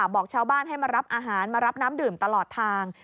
บอกชาวบ้านให้มารับอาหารมารับน้ำดื่มตลอดทาง